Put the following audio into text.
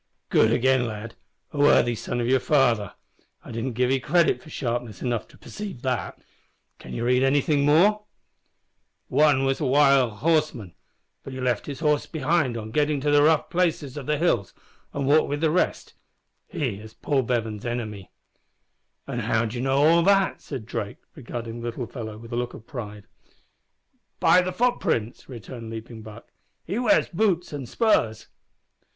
"Good again, lad. A worthy son of your father. I didn't give 'e credit for sharpness enough to perceive that. Can you read anything more?" "One man was a horseman, but he left his horse behind on getting to the rough places of the hills and walked with the rest. He is Paul Bevan's enemy." "And how d'ye know all that?" said Drake, regarding the little fellow with a look of pride. "By the footprints," returned Leaping Buck. "He wears boots and spurs."